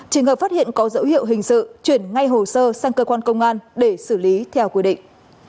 trường hợp phát hiện có dấu hiệu hình sự chuyển ngay hồ sơ sang cơ quan công an để xử lý theo quy định